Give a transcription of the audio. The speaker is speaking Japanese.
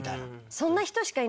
そんな人しかね。